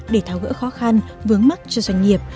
để tháo gỡ khó khăn vướng mắt cho doanh nghiệp